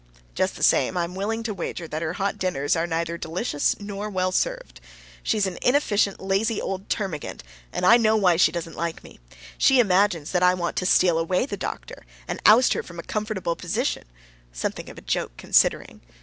Just the same, I am willing to wager that her hot dinners are neither delicious nor well served. She's an inefficient, lazy old termagant, and I know why she doesn't like me. She imagines that I want to steal away the doctor and oust her from a comfortable position, something of a joke, considering.